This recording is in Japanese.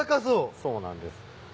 そうなんです。